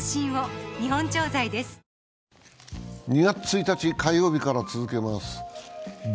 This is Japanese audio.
２月１日火曜日から続けます。